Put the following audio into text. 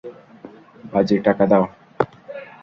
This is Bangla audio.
বাজির টাকা দাও!